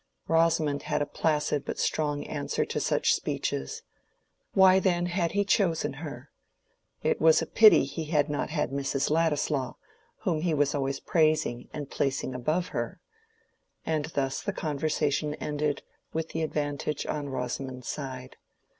Rosamond had a placid but strong answer to such speeches. Why then had he chosen her? It was a pity he had not had Mrs. Ladislaw, whom he was always praising and placing above her. And thus the conversation ended with the advantage on Rosamond's side.